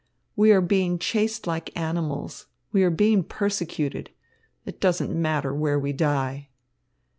We are being chased like animals. We are being persecuted. It doesn't matter where we die."